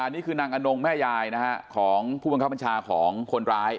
นี่คือนางอนงแม่ยายของผู้บังคับบัญชาของคนร้าย